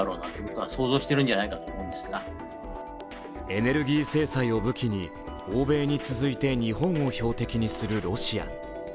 エネルギー制裁を武器に欧米に続いて日本を標的にするロシア。